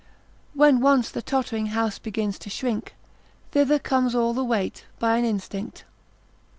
When once the tottering house begins to shrink, Thither comes all the weight by an instinct.